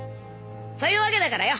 そういうワケだからよ